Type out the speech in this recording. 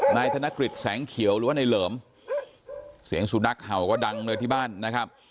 นายกธนกฤษแสงเขียวหรือว่าในเหลิมเสียงสุนัขเห่าก็ดังเลยที่บ้านนะครับ